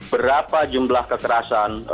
berapa jumlah kekerasan